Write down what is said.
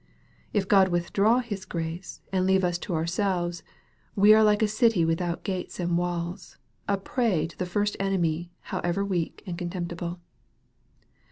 If God withdraw His grace, and leave us to ourselves, we are like a city without gates and walls, a prey to the first enemy, however weak and contemptible.